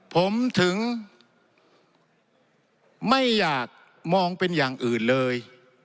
ผมถึงไม่อยากมองเป็นอย่างอื่นเลย